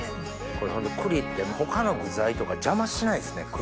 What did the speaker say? これホント栗って他の具材とか邪魔しないですね。